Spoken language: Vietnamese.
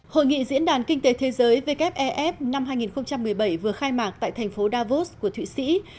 hội nghị diễn đàn kinh tế thế giới wef năm hai nghìn một mươi bảy vừa khai mạc tại thành phố davos của thụy sĩ